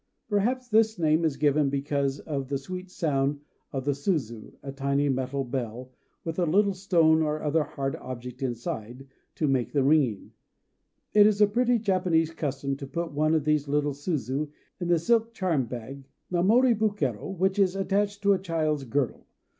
Perhaps this name is given because of the sweet sound of the suzu, a tiny metal ball, with a little stone or other hard object inside, to make the ringing. It is a pretty Japanese custom to put one of these little suzu in the silk charm bag (mamori bukero) which is attached to a child's girdle.